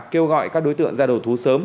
kêu gọi các đối tượng ra đầu thú sớm